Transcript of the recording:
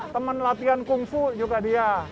temen latihan kungfu juga dia